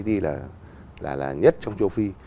đi là nhất trong châu phi